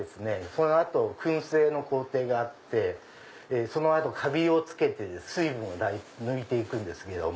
その後燻製の工程があってその後かびをつけて水分を抜いていくんですけども。